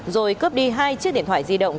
rồi cướp đi hai chiếc điện thoại di động